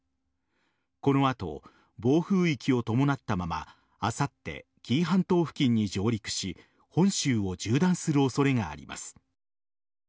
この後、暴風域を伴ったままあさって、紀伊半島付近に上陸し本州を縦断する恐れがあります。